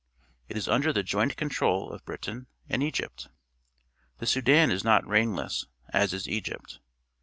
It is under the joint control of Britain and Egj^jt. The Sudan is not rainless, as is Egypt.